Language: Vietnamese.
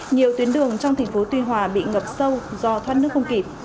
nhiều tuyến đường trong thành phố tuy hòa bị ngập sâu do thoát nước không kịp